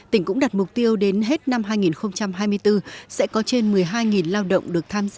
tỉnh cũng đặt mục tiêu đến hết năm hai nghìn hai mươi bốn sẽ có trên một mươi hai lao động được tham gia